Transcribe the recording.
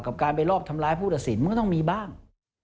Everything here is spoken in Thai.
กับการไปรอบทำร้ายผู้ตัดสินมันก็ต้องมีบ้าง